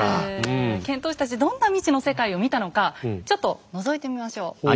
遣唐使たちどんな未知の世界を見たのかちょっとのぞいてみましょう。